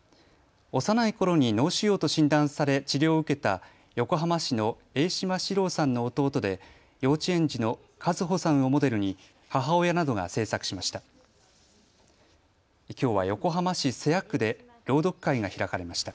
幼いころに脳腫瘍と診断され治療を受けた横浜市の榮島四郎さんの弟で幼稚園児の一歩さんをモデルに母親などが制作しました。